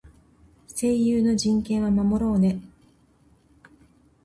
声優の人権は守ろうね。